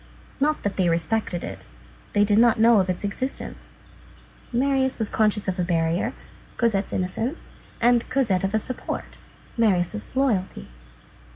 Not that they respected it; they did not know of its existence. Marius was conscious of a barrier, Cosette's innocence; and Cosette of a support, Marius' loyalty.